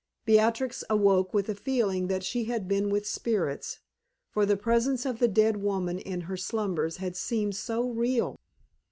Beatrix awoke with a feeling that she had been with spirits, for the presence of the dead woman in her slumbers had seemed so real.